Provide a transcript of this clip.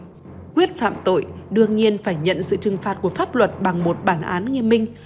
khuyết phạm tội đương nhiên phải nhận sự trừng phạt của pháp luật bằng một bản án nghiêm minh